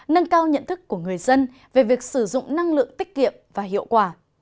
nâng cao nhận thức của người dân về việc sử dụng năng lượng tích kiệm và hiệu quả